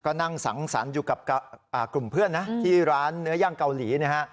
ก็นั่งสังสรรค์อยู่กับกลุ่มเพื่อนนะที่ร้านเนื้อย่างเกาหลีนะฮะ